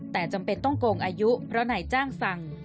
แต่จำเป็นต้องโกงอายุเพราะนายจ้างสั่ง